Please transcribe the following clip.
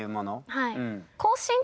はい。